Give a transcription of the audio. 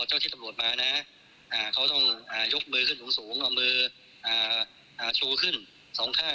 เจ้าที่ตำรวจมานะเขาต้องยกมือขึ้นสูงเอามือชูขึ้นสองข้าง